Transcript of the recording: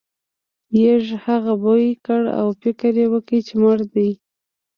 یږې هغه بوی کړ او فکر یې وکړ چې مړ دی.